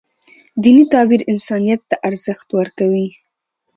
دیني تعبیر انسانیت ته ارزښت ورکوي.